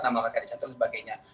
nama mereka dicatat dan sebagainya